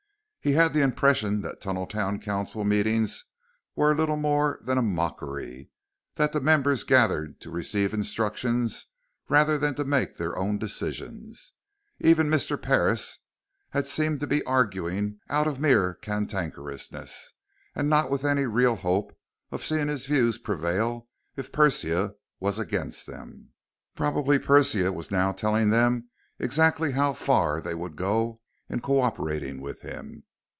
He had the impression that Tunneltown council meetings were little more than a mockery, that the members gathered to receive instructions rather than to make their own decisions. Even Mr. Parris had seemed to be arguing out of mere cantankerousness and not with any real hope of seeing his views prevail if Persia was against them. Probably Persia was now telling them exactly how far they would go in co operating with him.